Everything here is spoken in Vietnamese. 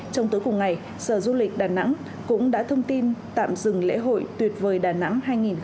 trong tối cùng ngày sở du lịch đà nẵng cũng đã thông tin tạm dừng lễ hội tuyệt vời đà nẵng hai nghìn hai mươi bốn